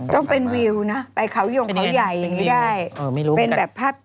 ต้องเป็นวิวนะไปเขายงเขาใหญ่อย่างนี้ได้เป็นแบบภาพ